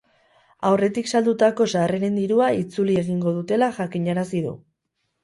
Aurretik saldutako sarreren dirua itzuli egingo dutela jakinarazi du.